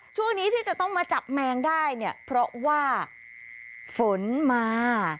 ช่วงนี้ที่จะต้องมาจับแมงได้เนี่ยเพราะว่าฝนมา